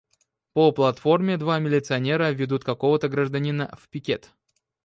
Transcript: По платформе два милиционера ведут какого-то гражданина в пикет.